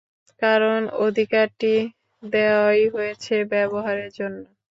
কারণ অধিকারটি দেওয়াই হয়েছে ব্যবহারের জন্য।